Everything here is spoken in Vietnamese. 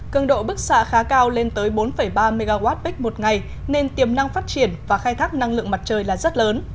cân độ bức xạ khá cao lên tới bốn ba mwp một ngày nên tiềm năng phát triển và khai thác năng lượng mặt trời là rất lớn